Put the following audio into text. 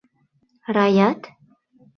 Раят?